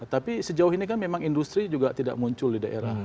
tapi sejauh ini kan memang industri juga tidak muncul di daerah